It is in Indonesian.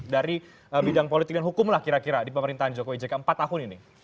dari bidang politik dan hukum lah kira kira di pemerintahan jokowi jk empat tahun ini